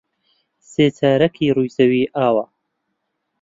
سێ چارەکی ڕووی زەوی ئاوە.